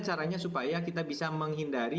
caranya supaya kita bisa menghindari